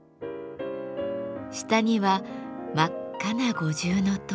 下には真っ赤な五重塔。